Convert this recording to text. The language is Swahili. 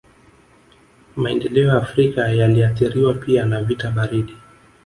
Maendeleo ya Afrika yaliathiriwa pia na vita baridi